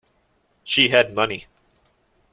She had money.